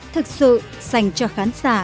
thực sự dành cho khán giả